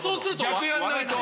逆やんないと。